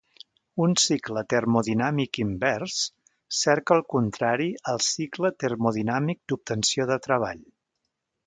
Un cicle termodinàmic invers cerca el contrari al cicle termodinàmic d'obtenció de treball.